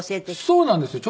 そうなんですよ。